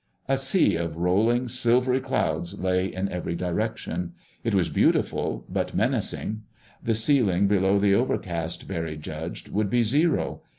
A sea of rolling, silvery clouds lay in every direction. It was beautiful, but menacing. The ceiling below that overcast, Barry judged, would be zero.